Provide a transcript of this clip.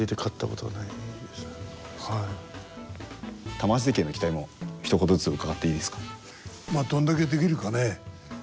玉鷲関への期待もひと言ずつ伺っていいですか？